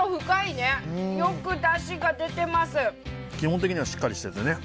基本的にはしっかりしててね。